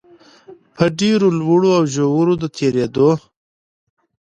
په ډېرو لوړو او ژورو د تېرېدو